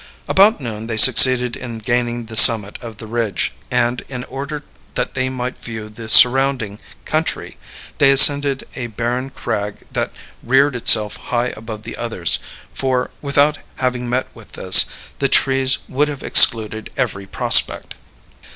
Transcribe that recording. About noon they succeeded in gaining the summit of the ridge; and, in order that they might view the surrounding country, they ascended a barren crag that reared itself high above the others; for, without having met with this, the trees would have excluded every prospect.